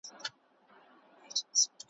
هره ورځ یې دا یوه سندره کړله `